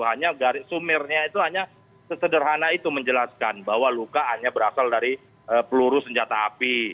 hanya sumirnya itu hanya sesederhana itu menjelaskan bahwa luka hanya berasal dari peluru senjata api